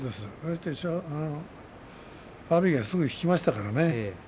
阿炎がすぐ引きましたから。